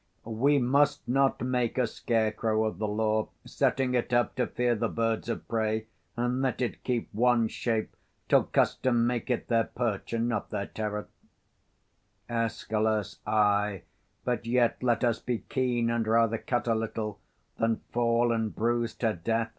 _ We must not make a scarecrow of the law, Setting it up to fear the birds of prey, And let it keep one shape, till custom make it Their perch, and not their terror. Escal. Ay, but yet Let us be keen, and rather cut a little, 5 Than fall, and bruise to death.